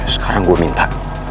sekarang gue minta